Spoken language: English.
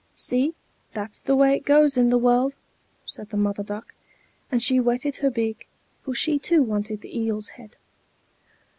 "See, that's the way it goes in the world!" said the Mother Duck; and she whetted her beak, for she too wanted the eel's head.